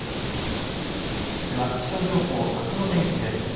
では気象情報あすの天気です。